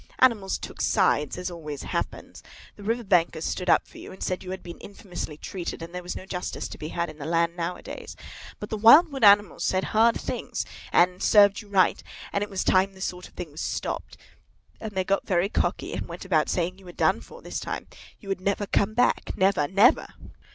Animals took sides, as always happens. The River bankers stuck up for you, and said you had been infamously treated, and there was no justice to be had in the land nowadays. But the Wild Wood animals said hard things, and served you right, and it was time this sort of thing was stopped. And they got very cocky, and went about saying you were done for this time! You would never come back again, never, never!"